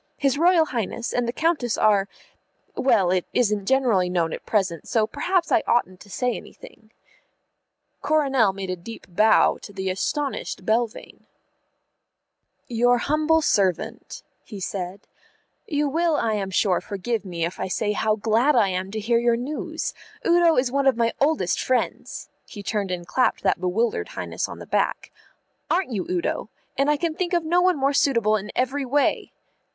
His Royal Highness and the Countess are well, it isn't generally known at present, so perhaps I oughtn't to say anything." Coronel made a deep bow to the astonished Belvane. [Illustration: Let me present to you my friend the Duke Coronel] "Your humble servant," he said. "You will, I am sure, forgive me if I say how glad I am to hear your news. Udo is one of my oldest friends" he turned and clapped that bewildered Highness on the back "aren't you, Udo? and I can think of no one more suitable in every way."